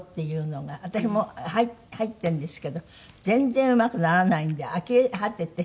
私も入ってるんですけど全然うまくならないんであきれ果てて。